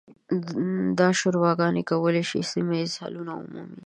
دا شوراګانې کولی شي سیمه ییز حلونه ومومي.